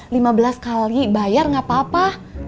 lima belas kali bayar nggak apa apa